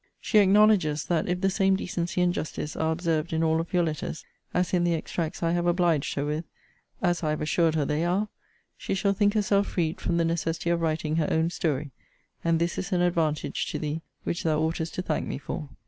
She acknowledges, that if the same decency and justice are observed in all of your letters, as in the extracts I have obliged her with, (as I have assured her they are,) she shall think herself freed from the necessity of writing her own story: and this is an advantage to thee which thou oughtest to thank me for.